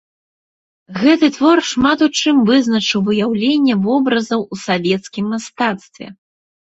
Гэты твор шмат у чым вызначыў выяўленне вобразаў ў савецкім мастацтве.